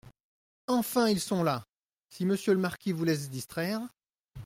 Enfin, ils sont là !… si monsieur le marquis voulait se distraire…